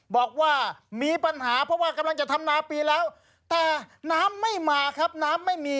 บอกว่ามีปัญหาเพราะว่ากำลังจะทำนาปีแล้วแต่น้ำไม่มาครับน้ำไม่มี